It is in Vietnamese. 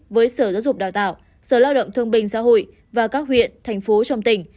với sở giáo dục đào tạo sở lao động thương bình xã hội và các huyện thành phố trong tỉnh